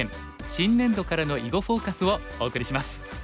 新年度からの囲碁フォーカス」をお送りします。